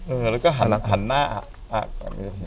เออแล้วก็หันหน้าครับ